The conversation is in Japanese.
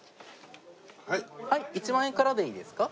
はい１万円からでいいですか？